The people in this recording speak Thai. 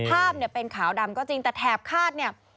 ภาพเนี่ยเป็นขาวดำก็จริงแต่แถบคาดเนี่ย